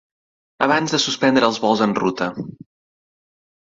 abans de suspendre els vols en ruta.